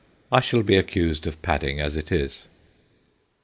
I shall be accused of padding, as it is.